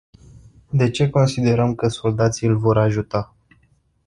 De ce considerăm că soldații îl vor ajuta?